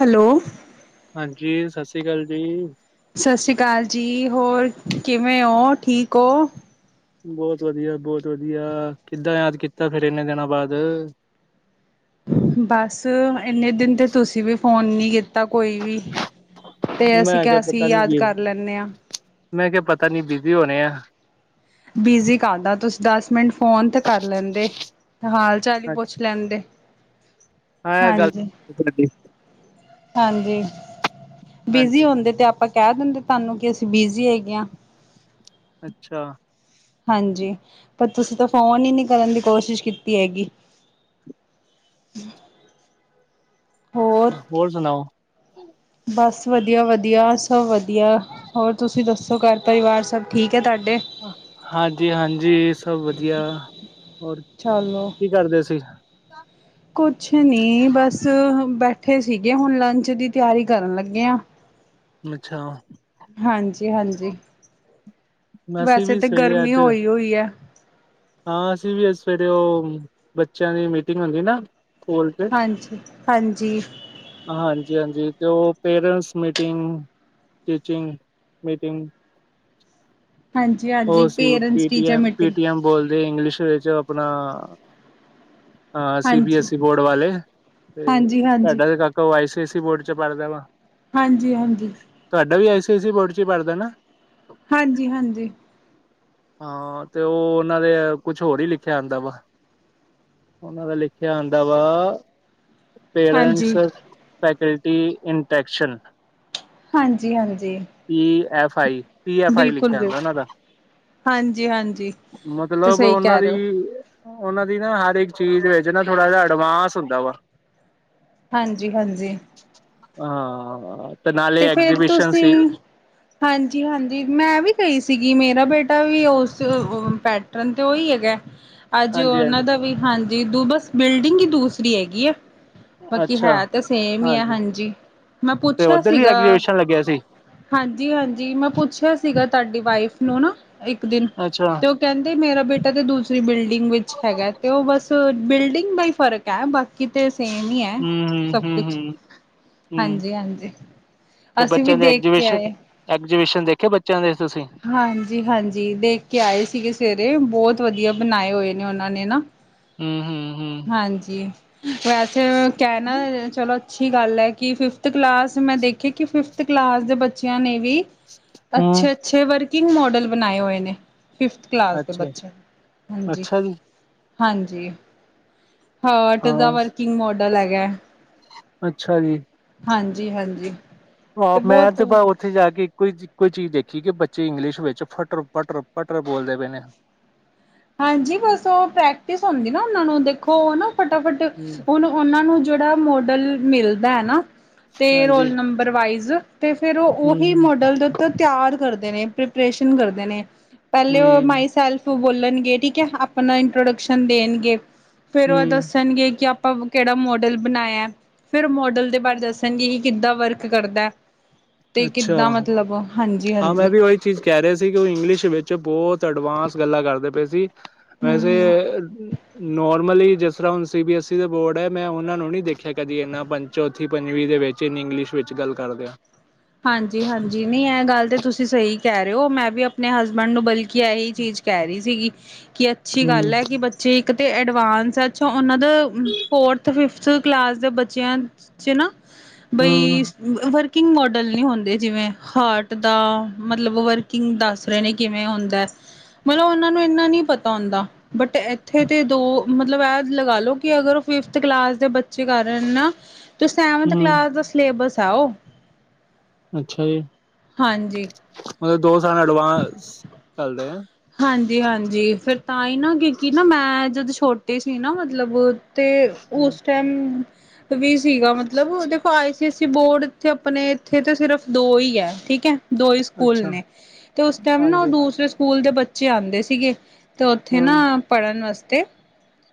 Hello ਹਾਂਜੀ ਸਤਿ ਸ੍ਰੀ ਅਕਾਲ ਜੀ ਸਤਿ ਸ਼੍ਰੀ ਅਕਾਲ ਜੀ ਹੋਰ ਕਿਵੇਂ ਹੋ ਠੀਕ ਹੋ। ਬਹੁਤ ਵਧੀਆ ਬਹੁਤ ਵਧੀਆ ਕਿੱਦਾਂ ਯਾਦ ਕੀਤਾ ਫੇਰ ਏਨੇ ਦਿਨਾਂ ਬਾਅਦ ਬਸ ਇੰਨੇ ਦਿਨ ਤੇ ਤੁਸੀਂ ਵੀ ਫੋਨ ਨੀ ਕੀਤਾ ਕੋਈ ਵੀ ਤੇ ਅਸੀਂ ਮੈਂ ਕਿਹਾ ਅਸੀਂ ਪਤਾ ਨੀ ਯਾਦ ਕੀ ਕਰ ਲੈਂਦੇ ਹਾਂ। ਮੈਂ ਕਿਹਾ ਪਤਾ ਨੀ ਬਿਜੀ ਹੋਣੇ ਆ- ਬਿਜੀ ਕਾਹਦਾ ਤੁਸੀਂ ਦਸ ਮਿੰਟ ਫੋਨ ਤ ਕਰ ਲੈਂਦੇ ਹਾਲ - ਚਾਲ ਹੀ ਪੁੱਛ ਲੈਂਦੇ। ਹੈ ਇਹ ਗੱਲ ਹਾਂਜੀ ਤੁਹਾਡੀ ਹਾਂਜੀ ਬਿਜੀ ਹਾਂਜੀ ਹੁੰਦੇ ਤੇ ਆਪ ਆਪਾਂ ਕਹਿ ਦਿੰਦੇ ਤੁਹਾਨੂੰ ਕਿ ਅਸੀਂ ਬਿਜੀ ਹੈਗੇ ਹਾਂ ਅੱਛਾ ਹਾਂਜੀ ਪਰ ਤੁਸੀਂ ਤਾਂ ਫੋਨ ਹੀ ਨਹੀਂ ਕਰਨ ਦੀ ਕੋਸ਼ਿਸ਼ ਕੀਤੀ ਹੈਗੀ। ਹੋਰ ਸੁਣਾਓ ਬਸ ਵਧੀਆ ਵਧੀਆ ਸਭ ਵਧੀਆ ਹੋਰ ਤੁਸੀਂ ਦੱਸੋ ਘਰ ਪਰਿਵਾਰ ਸਭ ਠੀਕ ਹੈ ਤੁਹਾਡੇ ਹਾਂਜੀ ਹਾਂਜੀ ਸਭ ਵਧੀਆ ਹੋਰ ਚਲੋ ਕੀ ਕਰਦੇ ਸੀ। ਕੁਛ ਨਹੀਂ ਬਸ ਬੈਠੇ ਸੀਗੇ ਹੁਣ ਲੰਚ ਦੀ ਤਿਆਰੀ ਕਰਨ ਲੱਗੇ ਹਾਂ ਅੱਛਾ ਹਾਂਜੀ ਹਾਂਜੀ ਅਸੀਂ ਵੈਸੇ ਵੀ ਤਾਂ ਸਵੇਰੇ ਗਰਮੀ ਅੱਜ ਹੋਈ ਹੋਈ ਹੈ। ਹਾਂ ਅਸੀਂ ਵੀ ਸਵੇਰੇ ਉਹ ਬੱਚਿਆਂ ਦੀ ਮੀਟਿੰਗ ਹੁੰਦੀ ਨਾ ਸਕੂਲ ਚ ਹਾਂਜੀ ਹਾਂਜੀ ਹਾਂਜੀ ਹਾਂਜੀ ਅਤੇ ਉਹ ਪੇਰੈਂਟਸ ਮੀਟਿੰਗ ਟੀਚਿੰਗ ਮੀਟਿੰਗ ਹਾਂਜੀ ਹਾਂਜੀ ਉਹ ਸੀ parents teacher PTM meeting PTM ਬੋਲਦੇ ਇੰਗਲਿਸ਼ ਵਿੱਚ ਉਹ ਆਪਣਾ ਹਾਂ ਸੀ ਬੀ ਹਾਂਜੀ ਐੱਸ ਈ ਬੋਰਡ ਵਾਲੇ, ਤੇ ਹਾਂਜੀ ਹਾਂਜੀ ਤੁਹਾਡਾ ਤੇ ਕ ਤੋ ਆਈ ਸੀ ਆਈ ਸੀ ਬੋਰਡ ਚ ਪੜ੍ਹਦਾ ਵਾ ਹਾਂਜੀ, ਹਾਂਜੀ ਤੁਹਾਡਾ ਵੀ ਆਈ ਸੀ ਆਈ ਸੀ ਬੋਰਡ ਚ ਈ ਪੜ੍ਹਦਾ ਨਾ ਹਾਂਜੀ ਹਾਂਜੀ ਹਾਂ ਤੇ ਉਹ ਉਹਨਾਂ ਦੇ ਕੁਛ ਹੋਰ ਈ ਲਿਖਿਆ ਹੁੰਦਾ ਵਾ ਉਹਨਾਂ ਦਾ ਲਿਖਿਆ ਆਉਦਾ ਵਾ ਹਾਂਜੀ ਪੇਰੈਂਟਸ, ਫੈਕਲਟੀ, ਇੰਟੈਕਸ਼ਨ ਹਾਂਜੀ ਹਾਂਜੀ P F I P, F I ਬਿਲਕੁਲ ਲਿਖਿਆ ਹੁੰਦਾ ਬਿਲਕੁਲ ਉਹਨਾਂ ਦਾ ਹਾਂਜੀ ਹਾਂਜੀ ਤੇ ਮਤਲਬ, ਸਹੀ ਉਹਨਾਂ ਕਹਿ ਦੀ ਰਹੇ ਹੋ ਉਹਨਾਂ ਦੀ ਨਾ ਹਰ ਇੱਕ ਚੀਜ਼ ਵਿੱਚ ਨਾ ਥੋੜਾ ਜਿਹਾ ਐਡਵਾਂਸ ਹੁੰਦਾ ਵਾ। ਹਾਂਜੀ ਹਾਂਜੀ ਹਾਂ, ਤੇ ਨਾਲੇ ਫੇਰ ਐਗਜੀਬਿਸ਼ਨ ਤੁਸੀਂ ਸੀ ਹਾਂਜੀ, ਹਾਂਜੀ ਮੈਂ ਵੀ ਗਈ ਸੀਗੀ ਮੇਰਾ ਬੇਟਾ ਵੀ ਉਸ ਪੈਟਰਨ ਤੇ ਉਹੀ ਹੈਗਾ। ਅੱਜ ਹਾਂਜੀ ਉਹਨਾਂ ਹਾਂਜੀ ਦਾ ਵੀ ਹਾਂਜੀ ਦ ਬਸ ਬਿਲਡਿੰਗ ਈ ਦੂਸਰੀ ਹੈਗੀ ਆ। ਬਾਕੀ ਅੱਛਾ ਹੈ ਤਾਂ ਸੇਮ ਈ ਐ, ਹਾਂਜੀ, ਮੈਂ ਤੇ ਪੁੱਛਿਆ ਉੱਧਰ ਵੀ ਸੀਗਾ। ਐਗਜੀਬਿਸ਼ਨ ਲੱਗਿਆ ਸੀ ਹਾਂਜੀ ਹਾਂਜੀ, ਮੈਂ ਪੁੱਛਿਆ ਸੀਗਾ ਤੁਹਾਡੀ ਵਾਈਫ ਨੂੰ ਨਾ ਇੱਕ ਦਿਨ ਅੱਛਾ ਤੇ ਕਹਿੰਦੇ ਮੇਰਾ ਬੇਟਾ ਤਾਂ ਦੂਸਰੀ ਬਿਲਡਿੰਗ ਵਿੱਚ ਹੈਗਾ ਤੇ ਉਹ ਬਸ ਬਿਲਡਿੰਗ ਦਾ ਈ ਫ਼ਰਕ ਐ ਬਸ ਕਿਤੇ ਸੇਮ ਈ ਐ, ਹੂੰ ਸਭ ਹੂੰ ਹੂੰ ਕੁਛ ਹੂੰ ਹੂੰ ਹਾਂਜੀ, ਹਾਂਜੀ ਤੇ ਅਸੀਂ ਵੀ ਬੱਚਿਆਂ ਦੇ ਦੇਖ ਕੇ ਐਗਜੀਬਿਸ਼ਨ, ਆਏ ਐਗਜੀਬਿਸ਼ਨ ਦੇਖੇ ਬੱਚਿਆਂ ਦੇ ਤੁਸੀਂ ਹਾਂਜੀ ਹਾਂਜੀ ਦੇਖ ਕੇ ਆਏ ਸੀਗੇ ਸਵੇਰੇ, ਬਹੁਤ ਵਧੀਆ ਬਣਾਏ ਹੋਏ ਨੇ ਉਹਨਾਂ ਨੇ ਨਾ ਹਮ ਹਮ ਹਾਂਜੀ, ਵੈਸੇ ਕਹਿਣਾ ਚਲੋ- ਅੱਛੀ ਗੱਲ ਐ ਕਿ ਫਿਫਥ ਕਲਾਸ ਮੈਂ ਦੇਖੀ ਕਿ ਫਿਫਥ ਕਲਾਸ ਦੇ ਬੱਚਿਆਂ ਨੇ ਵੀ ਹੂੰ ਅੱਛੇ-ਅੱਛੇ ਵਰਕਿੰਗ ਮੋਡਲ ਬਣਾਏ ਹੋਏ ਨੇ। ਫਿਫਥ ਕਲਾਸ ਦੇ ਅੱਛਾ ਬੱਚਿਆ ਨੇ, ਹਾਂਜੀ। ਅੱਛਾ ਜੀ ਹਾਂਜੀ, ਹਾਟ ਦਾ ਹਾਂ ਵਰਕਿੰਗ ਮੋਡਲ ਹੈਗਾ। ਅੱਛਾ ਜੀ। ਹਾਂਜੀ-ਹਾਂਜੀ। ਹਹ ਮੈਂ ਤੇ ਭ ਉੱਥੇ ਜਾ ਕੇ ਇੱਕੋ ਈ ਚੀ ਇੱਕੋ ਈ ਚੀਜ਼ ਦੇਖੀ, ਕਿ ਬੱਚੇ ਇੰਗਲਿਸ਼ ਵਿੱਚ ਫੱਟਰ, ਪੱਟਰ -ਪੱਟਰ ਬੋਲਦੇ ਪਏਦੇ ਨੇ। ਹਾਂਜੀ, ਬਸ ਉਹ ਪ੍ਰੈਕਟਿਸ ਹੁੰਦੀ ਨਾ ਉਹਨਾਂ ਨੂੰ ਦੇਖੋ ਉਹ ਨਾ ਫਟਾਫਟ ਹੂੰ ਉਹਨੂ ਉਹਨਾਂ ਨੂੰ ਜਿਹੜਾ ਮੋਡਲ ਮਿਲਦਾ ਐ ਨਾ ਤੇ ਹਾਂਜੀ ਰੋਲ ਨੰਬਰ ਵਾਈਜ਼ ਤੇ ਫਿਰ ਹੂੰ ਉਹੀ ਮੋਡਲ ਦੇ ਤ ਤਿਆਰ ਕਰਦੇ ਨੇ,, ਪ੍ਰਪਰੇਸ਼ਨ ਕਰਦੇ ਨੇ, ਪਹਿਲੇ ਉਹ ਹੂੰ ਮਾਈ ਸੈਲਫ ਬੋਲਣ ਗ ਗੇ ਠੀਕ ਐ, ਆਪਣਾ ਇੰਟਰੋਡਕਸ਼ਨ ਦੇਣਗੇ, ਫੇਰ ਉਹ ਹੂੰ ਦੱਸਣਗੇ ਕਿ ਆਪਾਂ ਪਾਂ ਕਿਹੜਾ ਮੋਡਲ ਬਣਾਇਆ। ਫਿਰ ਮੋਡਲ ਦੇ ਬਾਰੇ ਦੱਸਣਗੇ ਕਿ ਕਿੱਦਾਂ ਵਰਕ ਕਰਦਾ, ਤੇ ਅੱਛਾ ਕਿੱਦਾਂ ਮਤਲਬ। ਹਾਂਜੀ ਹਾਂ, ਹਾਂਜੀ ਮੈਂ ਵੀ ਉਹੀ ਚੀਜ਼ ਕਹਿ ਰਿਹਾ ਸੀ ਕਿ ਉਹ ਇੰਗਲਿਸ਼ ਵਿੱਚ ਬਹੁਤ ਅਡਵਾਂਸ ਗੱਲਾਂ ਕਰਦੇ ਪਏ ਸੀ। ਵੈਸੇ! ਹਮ ਨੋਰਮਲੀ ਜਿਸ ਤਰ੍ਹਾਂ ਹੁਣ ਸੀ ਬੀ ਐਸਈ ਦਾ ਬੋਰਡ ਐ, ਮੈਂ ਉਹਨਾਂ ਨੂੰ ਨੀ ਦੇਖਿਆ ਕਦੀ ਇਨਾ ਚੌਥੀ, ਪੰਜਵੀ ਦੇ ਵਿੱਚ ਇੰਨੀ ਇੰਗਲਿਸ਼ ਵਿੱਚ ਗੱਲ ਕਰਦਿਆਂ। ਹਾਂਜੀ-ਹਾਂਜੀ ਨਈ ਇਹ ਗੱਲ ਤੇ ਤੁਸੀਂ ਸਹੀ ਕਹਿ ਰਹੇ ਔ, ਮੈਂ ਵੀ ਆਪਣੇ ਹਸਬੈਂਡ ਨੂੰ ਬਲ ਕੀ ਇਹੀ ਚੀਜ਼ ਕਹਿ ਰਹੀ ਸੀਗੀ ਕਿ ਅੱਛੀ ਹਮ ਗੱਲ ਐ ਕਿ ਬੱਚੇ ਇੱਕ ਤੇ ਐਡਵਾਂਸ ਏ, ਅੱਛਾ ਉਨਾਂ ਦਾ ਫੋਰਥ, ਫਿਫਥ ਕਲਾਸ ਦੇ ਬੱਚੇਆਂ ਚ ਚ ਨਾ ਬਈ ਹਮ ਵਰਕਿੰਗ ਮੋਡ ਮੋਡਲ ਨਹੀਂ ਹੁੰਦੇ, ਜਿਵੇਂ ਹਾਰਟ ਦਾ ਮਤਲਬ ਵਰਕਿੰਗ ਦੱਸ ਰਹੇ ਨੇ ਕਿਵੇਂ ਹੁੰਦਾ। ਮਤਲਬ ਉਨਾਂ ਨੂੰ ਇੰਨਾ ਨਹੀਂ ਪਤਾ ਹੁੰਦਾ। ਬਟ, ਇੱਥੇ ਤੇ ਦੋ ਮਤਲਬ ਐ ਲਗਾ ਲੋ, ਕਿ ਅਗਰ ਓ ਫਿਫਥ ਕਲਾਸ ਦੇ ਬਚ ਚੇ ਕਾਰਨ ਨਾ, ਸੈਵਨਥ ਹਮ ਕਲਾਸ ਦਾ ਸਿਲੇਬਸ ਆ ਓ। ਅੱਛਾ ਜੀ। ਹਾਂਜੀ। ਮਤਲਬ ਦੋ ਸਾਲ ਐਡਵਾਂਸ ਚੱਲਦੇ ਆ। ਹਾਂਜੀ-ਹਾਂਜੀ, ਫੇਰ ਤਾਂਹੀ ਨਾ ਕਿਉਂਕਿ ਨਾ ਮੈਂ ਜਦੋਂ ਛੋਟੇ ਸੀ ਨਾ ਮਤਲਬ ਤੇ ਉਸ ਟੈਮ ਵੀ ਸੀਗਾ, ਮਤਲਬ ਦੇਖੋ ਆਈਸੀ ਐਸ ਸੀ ਬੋਰਡ ਤੇ ਆਪਨੇ ਇੱਥੇ ਤੇ ਸਿਰਫ ਦੋ ਈ ਐ, ਠੀਕ ਏ। ਦੋ ਹੀ ਸਕੂਲ ਅੱਛਾ ਨੇ, ਤੇ ਉਸ ਟੈਮ ਨਾ ਓ ਹਾਂਜੀ ਦੂਸਰੇ ਸਕੂਲ ਦੇ ਬੱਚੇ ਆਂਦੇ ਸੀਗੇ। ਤੇ ਉੱਥੇ ਨਾ ਹਮ ਪੜ੍ਹਨ ਅਸਤੇ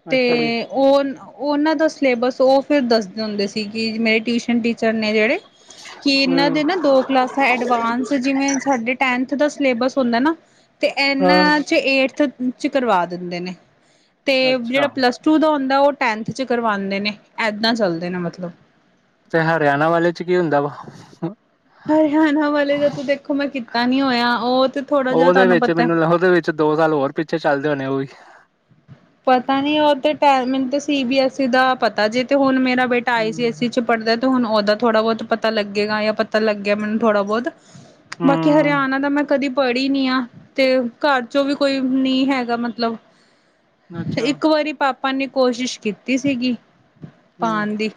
ਤੇ ਅੱਛਾ ਜੀ ਹੁਨ ਉਨਾਂ ਦਾ ਸਿਲੇਬਸ ੳ ਫਿਰ ਦੱਸ ਜਾਂਦੇ ਸੀ, ਕਿ ਮੇਰੇ ਟਿਊਸ਼ਨ ਟੀ ਚਰ ਨੇ ਜੇੜੇ- ਕਿ ਇਨਾਂ ਹਮ ਦੇ ਨਾ ਦੋ ਕਲਾਸਾਂ ਐਡਵਾਂਸ, ਜਿਵੇਂ ਸਾਡੇ ਟੈਂਥ ਦਾ ਸਿਲੇਬਸ ਹੁੰਦਾ ਨਾ। ਹਾਂ ਏਨਾਂ ਚ ਏਟਥ ਚ ਕਰਵਾ ਦਿੰਦੇ ਨੇ, ਤੇ ਜੇੜਾ ਅੱਛਾ ਪਲੱਸ ਟੂ ਦਾ ਹੁੰਦਾ ਓ ਟੈਂਨਥ 'ਚ ਕਰਵਾਂਦੇ ਨੇ, ਏਦਾਂ ਚੱਲਦੇ ਨੇ ਮਤਲਬ। ਤੇ ਹਰਿਆਨਾ ਵਾਲੇ ਚ ਕੀ ਹੁੰਦਾ ਵਾ? ਹਰਿਆਨਾ ਵਾਲੇ ਦਾ ਤਾਂ ਦੇਖੋ, ਮੈਂ ਕੀਤਾ ਨੀ ਹੋਏਆ, ਉਹ ਤੇ ਥੋੜਾ ਜੇਆ ਤੁਹਾਨੂੰ ਪਤਾ। ਚ ਦੋ ਸਾਲ ਹੋਰ ਪਿੱਛੇ ਚੱਲਦੇ ਹੋਨੇ ਓ ਵੀ। ਪਤਾ ਨੀ, ਓ ਤੇ ਟੈਮ ਮੈਨੂੰ ਤਾਂ ਸੀ ਬੀ ਐਸ ਈ ਦਾ ਪਤਾ, ਜੇ ਤੇ ਹੁਨ ਮੇਰਾ ਬੇਟਾ ਆਈ ਸੀ ਐਸ ਈ ਹਮ ਚ ਪੜ੍ਹਦਾ ਤੇ ਹੁਨ ਉਦਾ ਥੋੜਾ ਬਹੁਤ ਪਤਾ ਲੱਗੇਗਾ। ਜਾਂ ਪਤਾ ਲੱਗ ਗੇਆ ਮੈਨੂੰ ਥੋੜਾ ਬਹੁਤ। ਬਾਕੀ ਹਮ ਹਰਿਆਨਾ ਦਾ ਮੈਂ ਕਦੀ ਪੜ੍ਹੀ ਨੀ ਆ ਤੇ ਘਰ ਚੋਂ ਵੀ ਕੋਈ ਨੀ ਹੈਗਾ ਮਤਲਬ ਅੱਛਾ ਇੱਕ ਵਾਰੀ ਪਾਪਾ ਨੇ ਕੋਸ਼ਿਸ਼ ਕੀਤੀ ਸੀਗੀ। ਹੂੰ, ਪਾਣ ਦੀ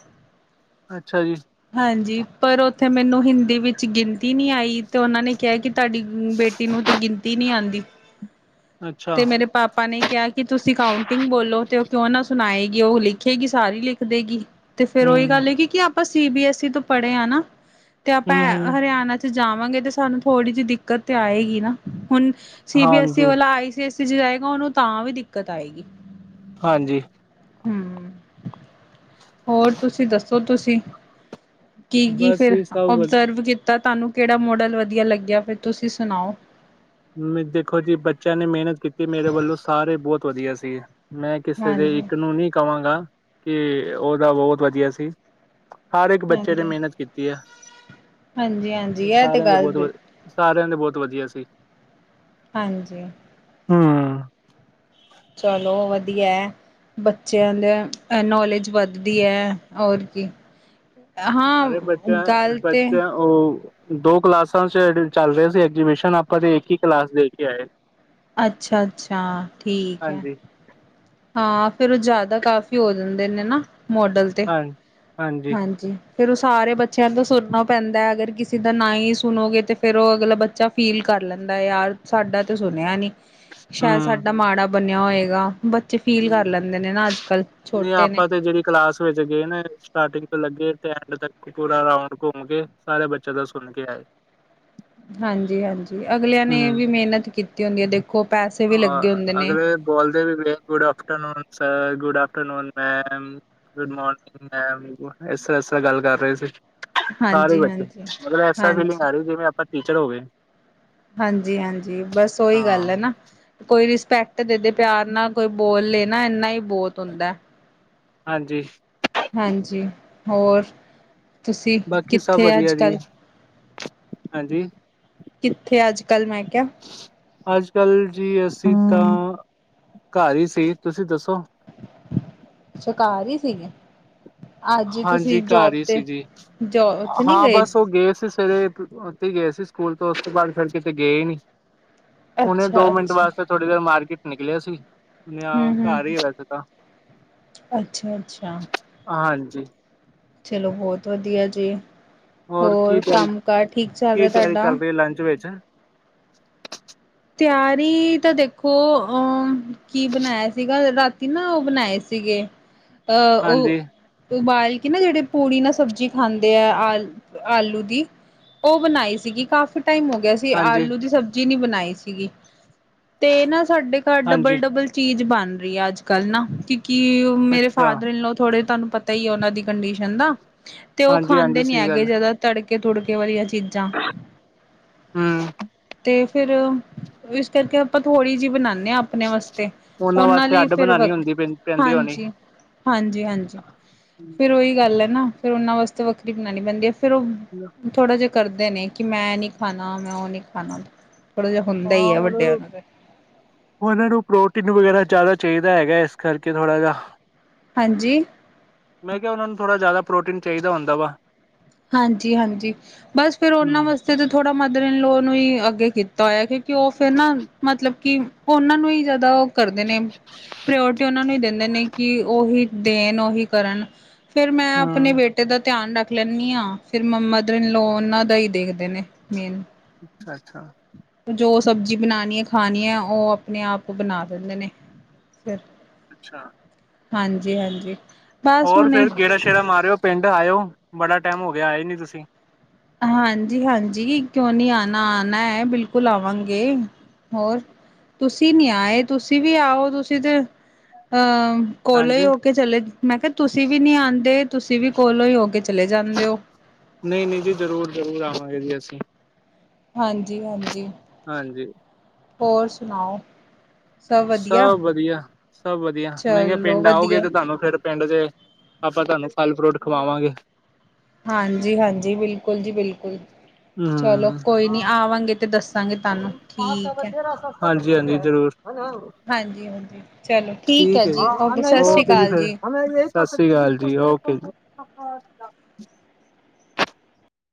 ਅੱਛਾ ਜੀ। ਹਾਂਜੀ, ਪਰ ਉੱਥੇ ਮੈਨੂੰ ਹਿੰਦੀ ਵਿੱਚ ਗਿਨਤੀ ਨੀ ਆਈ। ਤੇ ਉਨਾਂ ਨੇ ਕੇਆ ਕਿ ਤਾਡੀ ਬੇਟੀ ਨੂੰ ਤੇ ਗਿਨਤੀ ਨੀ ਆਂਦੀ। ਅੱਛਾ ਤੇ ਮੇਰੇ ਪਾਪਾ ਨੇ ਕੇਆ ਕਿ ਤੁਸੀਂ ਕਾਉਂਟਿੰਗ ਬੋਲੋ ਤੇ ਓ ਕਿਉਂ ਨਾ ਸੁਨਾਏਗੀ। ਉਹ ਲਿਖੇਗੀ ਸਾਰੀ ਲਿਖ ਦੇਗੀ। ਤੇ ਫੇਰ ਓਈ ਹਮ ਗੱਲ ਹੈ ਕਿ -ਕੀ ਆਪਾਂ ਸੀ ਬੀ ਐਸ ਈ ਤੋਂ ਪੜ੍ਹੇ ਆ ਨਾ ਤੇ ਆਪਾਂ ਹੂੰ-ਹੂੰ, ਹਰਿਆਨਾ ਚ ਤੇ ਜਾਵਾਂਗੇ ਤੇ ਸਾਨੂੰ ਥੋੜ੍ਹੀ ਜਿਹੀ ਦਿੱਕਤ ਤੇ ਆਏਗੀ ਨਾ, ਹੁਨ ਸੀ ਬੀ ਐਸ ਈ ਵਾਲਾ ਹਾਂਜੀ-ਹਾਂਜੀ, ਆਈ ਜੇ ਇਸ ਚ ਜਾਏਗਾ, ਉਨੂੰ ਤਾਂ ਵੀ ਦਿੱਕਤ ਆਏਗੀ। ਹਾਂਜੀ। ਹੂੰ ਹੋਰ ਤੁਸੀਂ ਦੱਸੋ ਤੁਸੀਂ, ਕੀ-ਕੀ ਬਸ ਫੇਰ ਇਹ ਸਭ ਵਧ ਓਬਜ਼ਰਵਜ ਕੀ ਤਾਂ ਤੁਹਾਨੂੰ ਕੇੜਾ ਮੋਡਲ ਵਧੀਆ ਲੱਗੇਆ, ਫੇਰ ਤੁਸੀਂ ਸੁਣਾਓ। ਮੇ ਦੇਖੋ ਜੀ ਬੱਚੇਆਂ ਨੇ ਮੇਹਨਤ ਕੀਤੀ, ਮੇਰੇ ਵੱਲੋਂ ਸਾਰੇ ਬਹੁਤ ਵਧੀਆ ਸੀਗੇ। ਮੈਂ ਕਿਸੇ ਦੇ ਹਾਂਜੀ ਇੱਕ ਨੂੰ ਨਈ ਕਵਾਂਗਾ, ਕਿ ਉਹਦਾ ਬਹੁਤ ਵਧੀਆ ਸੀ। ਹਰ ਏਕ ਬੱਚੇ ਨੇ ਹਾਂਜੀ ਮੇਹਨਤ ਕੀਤੀ ਏ, ਹਾਂਜੀ ਤੇ ਹਾਂਜੀ ਇਹ ਤੇ ਸਾਰਿਆਂ ਦੇ ਗੱਲ ਬੋਹਤ ਵ ਬਿਲ ਸਾਰੇਆਂ, ਦੇ ਬੋਹਤ ਵਧੀਆ ਸੀ। ਹਾਂਜੀ। ਹੂੰ ਚਲੋ ਵਧੀਆ ਹੈ। ਬੱਚਿਆਂ ਦੀਆਂ ਨੌਲੇਜ ਵੱਧਦੀ ਹੈ, ਔਰ ਕੀ। ਹਾਂ, ਅਰੇ ਦਾਲ ਤੇ ਬੱਚਾ-ਬੱਚਾ ਉਹ ਦੋ ਕਲਾਸਾਂ ਚ ਐਡੀਡ ਚੱਲ ਰਹੇ ਸੀ ਐਗਜੀਬਿਸ਼ਨ ਆਪਾਂ ਤੇ ਇੱਕ ਹੀ ਕਲਾਸ ਦੇ ਕੇ ਆਏ ਆ। ਅੱਛਾ-ਅੱਛਾ ਠੀਕ ਹੈ। ਹਾਂਜੀ ਹਾਂ ਫੇਰ ਉਹ ਜ਼ਿਆਦਾ ਕਾਫੀ ਹੋ ਜਾਂਦੇ ਨੇ ਨਾ ਮੋਡਲ। ਤੇ ਹ ਹਾਂਜੀ। ਫੇਰ ਔਹ ਸਾਰੇ ਬੱਚਿਆਂ ਤੋਂ ਸੁੁਰਨਾ ਪੈਂਦਾ ਹੈ, ਅਗਰ ਕਿਸੇ ਦਾ ਨਾ ਹੀ ਸੁਣੋਗੇ ਤਾਂ ਫੇਰ ਔਹ ਅਗਲਾ ਬੱਚਾ ਫੀਲ ਕਰ ਲੈਂਦਾ ਯਾਰ, ਸਾਡਾ ਤਾਂ ਸੁਣਿਆ ਨਹੀਂ। ਸ਼ਾਇਦ ਹੂੰ। ਸਾਡਾ ਮਾੜਾ ਬਣਿਆ ਹੋਏਗਾ, ਬ ਬੱਚੇ ਫੀਲ ਹੂੰ। ਕਰ ਲੈਂਦੇ ਨੇ ਨਾ ਅੱਜ ਕੱਲ੍ਹ ਛੋਟੇ ਨੇ। ਇਹ ਜਿਹੜੀ ਕਲਾਸ ਵਿੱਚ ਗਏ ਨੇ, ਸਟਾਰਟਿੰਗ ਤੋਂ ਲੱਗੇ ਤੇ ਐਂਡ ਤੱਕ ਇਕ ਪੂਰਾ ਰਾਊਡ ਘੁੰਮ ਕੇ ਸਾਰੇ ਬੱਚਿਆਂ ਦਾ ਸੁਣ ਕੇ ਆਏ। ਹਾਂਜੀ- ਹਾਂਜੀ ਅਗਲਿਆਂ ਨੇ ਹੂੰ। ਵੀ ਮਿਹਨਤ ਕੀਤੀ ਹੁੰਦੀ ਹੈ, ਦੇਖੋ ਪੈਸੇ ਵੀ ਲੱਗੇ ਅ ਹੁੰਦੇ ਨੇ। ਅਗਲੇ ਬੋਲਦੇ ਨੇ ਫੇਰ good afternoon sir, good afternoon ma'am. Good morning ma'am, ਇਸ ਤਰ੍ਹਾਂ, ਇਸ ਤਰ੍ਹਾਂ ਗੱਲ ਕਰ ਰਹੇ ਸੀ। ਸਾਰੇ ਹਾਂਜੀ ਬੱਚੇ ਹਾਂਜੀ ਮਤਲਬ ਐਸਾ ਫੀਲਿੰਗ ਹਾਂਜੀ ਆ ਰਹੀ ਜਿਵੇਂ ਆਪਾਂ ਟੀਚਰ ਹੋ ਗਏ। ਹਾਂਜੀ- ਹਾਂਜੀ ਬਸ ਉਓਹੀ ਹਾਂ, ਗੱਲ ਹੈ ਨਾ। ਕੋਈ ਰਿਸਪੈਕਟ ਦੇ ਪਿਆਰ ਨਾਲ ਕੋਈ ਬੋਲ ਲੇ ਨਾ, ਇੰਨਾ ਹੀ ਬਹੁਤ ਹੁੰਦਾ ਐ। ਹਾਂਜੀ। ਹਾਂਜੀ, ਹੋਰ ਤੁਸੀਂ ਬਾਕੀ ਸਭ ਕਿੱਥੇ ਆ ਅੱਜ ਵਧੀਆ ਜੀ ਕੱਲ੍ਹ? ਹਾਂਜੀ। ਕਿੱਥੇ ਆ ਅੱਜ- ਕੱਲ੍ਹ ਮੈਂ ਕਿਹਾ। ਅੱਜ ਕੱਲ ਜੀ ਅਸੀਂ ਤਾਂ ਘਰ ਹੀ ਸੀ, ਤੁਸੀਂ ਦੱਸੋ? ਅੱਛਾ, ਘਰ ਹੀ ਸੀਗੇ। ਅੱਜ ਹਾਂਜੀ, ਤੁਸੀਂ ਘਰ ਜੋਬ ਹੀ ਤੇ ਸੀ ਜੀ ਜੋ ਉੱਥੇ ਨੀ ਹਾਂ ਗਏ ਬਸ ਉਹ ਗਏ ਸੀ ਤੇ ਫਿਰ ਉੱਥੇ ਗਏ ਸੀ, ਸਕੂਲ ਤੋਂ ਉਸ ਤੋਂ ਬਾਅਦ ਫੇਰ ਕਿਤੇ ਗਏ ਹੀ ਨੀ। ਹੁਣੇ ਦੋ ਮਿੰਟ ਅੱਛਾ-ਅੱਛਾ ਵਾਸਤੇ ਥੋੜ੍ਹੀ ਦੇਰ ਮਾਰਕੀਟ ਨਿਕਲਿਆ ਸੀ। ਸੁਨਿਆ ਹੂੰ-ਹੂੰ ਘਰ ਈ ਹੀ ਅੱਜ ਤਾਂ ਅੱਛਾ-ਅੱਛਾ ਹਾਂਜੀ। ਚਲੋ ਬਹੁਤ ਵਧੀਆ ਜੀ, ਹੋਰ ਕੰਮ ਕਾਰ ਠੀਕ ਚੱਲ ਰਿਹਾ ਤੁਹਾਡਾ? ਕਿ ਲੰਚ ਵਿੱਚ ਤਿਆਰੀ ਤਾਂ ਦੇਖੋ ਅਹ ਕੀ ਬਣਾਇਆ ਸੀਗਾ, ਰਾਤੀ ਨਾ ਉਹ ਬਣਾਏ ਸੀਗੇ। ਅਹ ਹਾਂਜੀ ਉਹ ਉਬਾਲ ਕੇ ਨਾ ਜਿਹੜੇ ਪੂੜੀ ਨਾਲ ਸਬਜ਼ੀ ਖਾਂਦੇ ਆ ਆਲ ਆਲੂ ਦੀ। ਉਹ ਬਣਾਈ ਸੀਗੀ, ਕਾਫੀ ਟਾਈਮ ਹੋ ਗਿਆ ਸੀ। ਤੇ ਹਾਂਜੀ ਆਲੂ ਦੀ ਸਬਜ਼ੀ ਨੀ ਬਣਾਈ ਸੀਗੀ, ਤੇ ਨਾ ਸਾਡੇ ਘਰ ਹਾਂਜੀ ਡਬਲ -ਡਬਲ ਚੀਜ਼ ਬਣ ਰਹੀ ਆ ਅੱਜ ਕੱਲ੍ਹ ਨਾ, ਕਿਉਂਕਿ ਮੇਰੇ ਅੱਛਾ ਫਾਦਰ ਇਨ ਲਾਅ ਥੋੜੇ ਤੁਹਾਨੂੰ ਪ ਪਤਾ ਹੀ ਉਹਨਾਂ ਦੀ ਕੰਡੀਸ਼ਨ ਦਾ ਤੇ ਉਹ ਹਾਂਜੀ ਖਾਂਦੇ ਹਾਂਜੀ ਨੀ ਸਹੀ ਹੈਗੇ ਗੱਲ ਜਾਦਾ ਤੜਕੇ, ਤੁੜਕੇ ਵਾਲੀਆਂ ਚੀਜ਼ਾਂ ਹਮ ਤੇ ਫੇਰ ਵੀ ਇਸ ਕਰਕੇ ਆਪਾਂ ਥੋੜ੍ਹੀ ਜਿਹੀ ਬਣਾਦੇ ਹਾਂ ਆਪਣੇ ਵਾਸਤੇ। ਉਹਨਾਂ ਵਾਸਤੇ ਲਈ ਅੱਡ ਫੇਰ ਵ ਬਣਾਉਣੀ ਹੁੰਦੀ ਪੈ ਪੈਂਦੀ ਹੋਣੀ ਹਾਂਜੀ, ਹਾਂਜੀ, ਹਾਂਜੀ। ਫੇਰ ਉਹੀ ਗੱਲ ਹੈ ਨਾ, ਫੇਰ ਉਹਨਾਂ ਵਾਸਤੇ ਵੱਖਰੀ ਬਣਾਣੀ ਪੈਂਦੀ ਹੈ ਫੇਰ ਔਹ ਠੀਕ ਆ। ਥੋੜਾ ਜਿਹਾ ਕਰਦੇ ਨੇ ਕਿ ਮੈਂ ਏਹ ਨੀ ਖਾਣਾ ਮੈਂ ਉਹ ਨੀ ਖਾਣਾ ਥੋੜਾ ਜਿਹਾ ਹੁੰਦਾ ਹਾਂ ਹੀ ਹੈ ਉਨਾਂ ਵੱਡਿਆਂ ਨੂੰ ਉਹਨਾਂ ਨੂੰ ਪ੍ਰੋਟੀਨ ਵਗੈਰਾ ਜ਼ਿਆਦਾ ਚਾਹੀਦਾ ਹੈਗਾ ਇਸ ਕਰਕੇ ਥੋੜ੍ਹਾ ਜਿਆ ਹਾਂਜੀ ਮੈਂ ਕਿਹਾ ਉਹਨਾਂ ਨੂੰ ਥੋੜ੍ਹਾ ਜ਼ਿਆਦਾ ਪ੍ਰੋਟੀਨ ਚਾਹੀਦਾ ਹੁੰਦਾ ਵਾ ਹਾਂਜੀ ਹਾਂਜੀ ਬਸ ਫਿਰ ਉਹਨਾਂ ਹਮ ਵਾਸ ਤੇ ਥੋੜਾ ਮਦਰ ਇਨ ਲੋਅ ਨੂੰ ਹੀ ਅੱਗੇ ਕੀਤਾ ਹੋਇਆ ਕਿਉਂਕਿ ਉਹ ਫਿਰ ਨਾ ਮਤਲਬ ਕਿ ਉਨਾਂ ਨੂੰ ਹੀ ਜ਼ਿਆਦਾ ਕਰਦੇ ਨੇ ਪ੍ਰਿਓਰਟੀ ਉਹਨਾਂ ਨੂੰ ਹੀ ਦਿੰਦੇ ਨੇ ਕਿ ਉਹੀ ਦੇਣ ਉਹੀ ਕਰਨ ਫਿਰ ਮੈਂ ਆਪਣੇ ਹਮ ਬੇਟੇ ਦਾ ਧਿਆਨ ਰੱਖ ਲੈਨੀ ਆ ਫਿਰ ਮਦਰ ਇਨ ਲੋਅ ਉਹਨਾਂ ਦਾ ਹੀ ਦੇਖਦੇ ਨੇ ਮੇਨ ਅੱਛਾ ਅੱਛਾ ਜੋ ਸਬਜ਼ੀ ਬਣਾਣੀ ਏ ਖਾਣੀ ਏ ਉਹ ਆਪਣੇ ਆਪ ਬਣਾ ਦਿੰਦੇ ਨੇ ਫਿਰ ਅੱਛਾ ਹਾਂਜੀ ਹਾਂਜੀ ਹੋਰ ਫਿਰ ਗੇੜਾ ਸ਼ੇੜਾ ਮਾਰਿਓ ਪਿੰਡ ਆਇਓ ਬੜਾ ਟਾਈਮ ਹੋ ਗਿਆ ਆਏ ਨੀ ਤੁਸੀਂ ਹਾਂਜੀ ਹਾਂਜੀ ਕਿਉਂ ਨਹੀਂ ਆਨਾ ਆਨਾ ਏ ਬਿਲਕੁਲ ਆਵਾਂਗੇ ਹੋਰ ਤੁਸੀਂ ਨੀ ਆਏ ਤੁਸੀਂ ਵੀ ਆਓ ਤੁਸੀਂ ਤੇ ਅਹ ਕੋਲੋਂ ਹੀ ਹਾਂਜੀ ਹੋ ਕੇ ਚਲੇ ਮੈਂ ਕਿਹਾ ਤੁਸੀਂ ਵੀ ਨੀ ਆਂਦੇ ਤੁਸੀਂ ਵੀ ਕੋਲੋਂ ਹੀ ਹੋ ਕੇ ਚਲੇ ਜਾਂਦੇ ਹੋ ਨਹੀਂ ਨਹੀਂ ਜੀ ਜ਼ਰੂਰ ਜ਼ਰੂਰ ਆਵਾਂਗੇ ਜੀ ਅਸੀਂ ਹਾਂਜੀ ਹਾਂਜੀ ਹਾਂਜੀ ਹੋਰ ਸੁਣਾਓ ਸਭ ਵਧੀਆ ਸਭ ਵਧੀਆ ਮੈ ਕਿਹਾ ਚਲੋ ਪਿੰਡ ਆਓਗੇ ਵਧੀਆ ਤੇ ਤੁਹਾਨੂੰ ਫਿਰ ਪਿੰਡ ਦੇ ਆਪਾਂ ਤੁਹਾਨੂੰ ਫਲ ਫਰੂਟ ਖਵਾਵਾਂਗੇ ਹਾਂਜੀ ਹਾਂਜੀ ਬਿਲਕੁਲ ਜੀ ਬਿਲਕੁਲ ਚਲੋ ਹੂੰ ਕੋਈ ਨੀ ਆਵਾਂਗੇ ਤੇ ਦੱਸਾਂਗੇ ਤੁਹਾਨੂੰ ਠੀਕ ਹੈ ਹਾਂਜੀ ਹਾਂਜੀ ਜ਼ਰੂਰ ਹੈਲੋ ਹਾਂਜੀ-ਹਾਂਜੀ ਚਲੋ ਠੀਕ ਹੈ ਜੀ ਜੀ ਸਤਿ ਸ਼੍ਰੀ ਓਕੇ ਜੀ ਅਕਾਲ ਫਿਰ ਸਤਿ ਸ਼੍ਰੀ ਅਕਾਲ ਜੀ ਓਕੇ ਜੀ